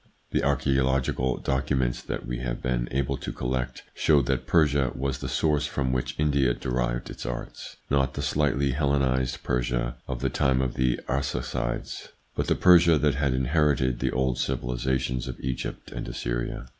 The archaeological documents that we have been able to collect show that Persia was the source from which India derived its arts ; not the slightly Hellenised Persia of the time of the Arsacides, but the Persia that had inherited the old civilisations ITS INFLUENCE ON THEIR EVOLUTION 121 of Egypt and Assyria.